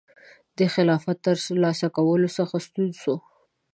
د خلافت ترلاسه کولو څخه ستون شو.